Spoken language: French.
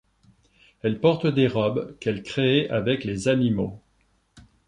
Elle porte des robes qu'elle crée avec les animaux.